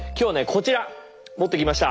こちら持ってきました！